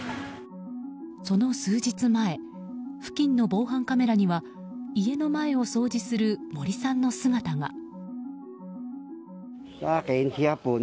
その数日前付近の防犯カメラには家の前を掃除するモリさんの姿が。